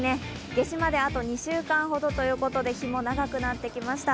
夏至まであと２週間ほどということで、日も長くなってきました。